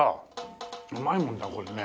うまいもんだこれね。